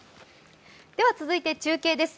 では続いて中継です。